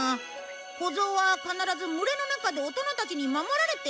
子ゾウは必ず群れの中で大人たちに守られているんだよ。